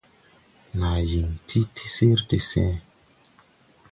Naa yiŋ ti sir de see.